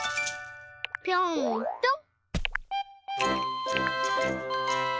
ぴょんぴょん。